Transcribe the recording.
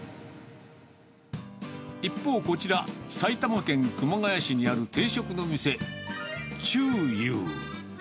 一方、こちら、埼玉県熊谷市にある定食の店、チュー勇。